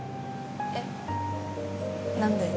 えっ何で？